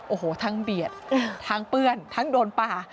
โอ้โหทั้งเบียดทั้งเปื้อนทั้งโดนป่า